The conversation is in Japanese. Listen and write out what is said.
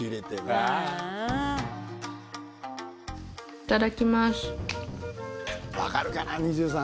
いただきます。